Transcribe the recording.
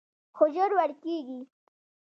خو ژر ورکېږي